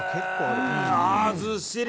ずっしり！